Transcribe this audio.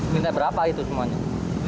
minta berapa itu semuanya